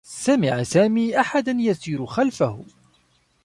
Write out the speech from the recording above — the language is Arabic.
سمع سامي أحدا يسير خلفه.